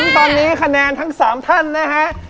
ตอนนี้คะแนนทั้ง๓ท่านนะฮะ